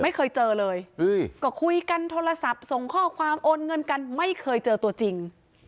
ไม่เคยเจอเลยก็คุยกันโทรศัพท์ส่งข้อความโอนเงินกันไม่เคยเจอตัวจริง